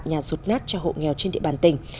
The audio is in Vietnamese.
nhà rụt nát cho hộ nghèo trên địa bàn tỉnh